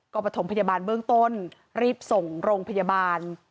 ก็ประถมพยาบาลเบื้องต้นรีบส่งโรงพยาบาล